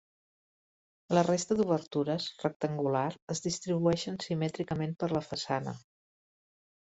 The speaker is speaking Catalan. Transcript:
La resta d'obertures, rectangular, es distribueixen simètricament per la façana.